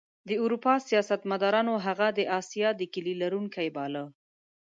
د اروپا سیاستمدارانو هغه د اسیا د کیلي لرونکی باله.